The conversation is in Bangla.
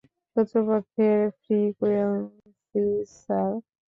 শত্রুপক্ষের ফ্রিকুয়েন্সি, স্যার!